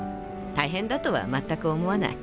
大変だとはまったく思わない。